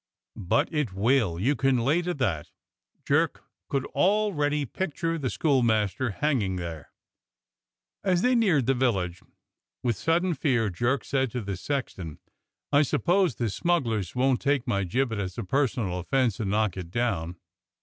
"But it will, you can lay to that." Jerk could al ready picture the schoolmaster hanging there. As they neared the village, with sudden fear Jerk said to the sexton: "I suppose the smugglers won't take my gibbet as a personal offence and knock it down.'